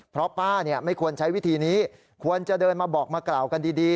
เพราะป้าไม่ควรใช้วิธีนี้ควรจะเดินมาบอกมากล่าวกันดี